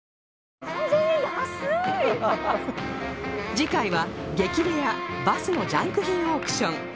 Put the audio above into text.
次回は激レアバスのジャンク品オークション